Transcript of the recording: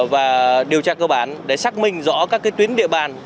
và điều tra cơ bản để xác minh rõ các tuyến địa bàn